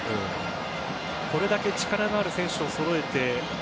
これだけ力のある選手をそろえて。